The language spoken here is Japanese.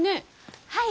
はい。